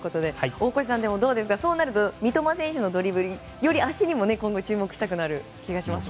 大越さん、どうですかそうなると三笘選手のドリブルでより足にも今後注目したくなる気がしますね。